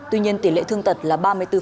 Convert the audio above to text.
tuy nhiên tỷ lệ thương tật là ba mươi bốn